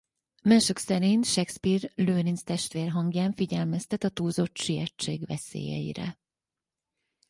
Mások szerint Shakespeare Lőrinc testvér hangján figyelmeztet a túlzott sietség veszélyeire.